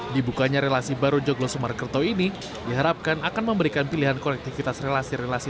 dibukanya relasi baru joglo sumarkerto ini diharapkan akan memberikan pilihan konektivitas relasi relasi